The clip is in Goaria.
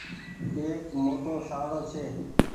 ايڪ موٽو شاڙو ڇي۔